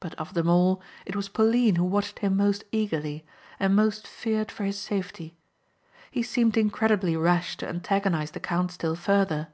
But of them all it was Pauline who watched him most eagerly, and most feared for his safety. He seemed incredibly rash to antagonize the count still further.